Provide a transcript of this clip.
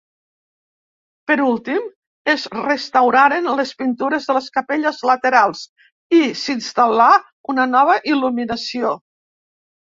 Per últim es restauraren les pintures de les capelles laterals i s'instal·là una nova il·luminació.